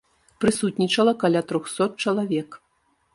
Прысутнічала каля трохсот чалавек.